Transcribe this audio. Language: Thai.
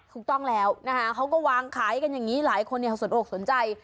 ถูกต้องแล้วนะคะเขาก็วางขายกันอย่างนี้หลายคนสนอกสนใจ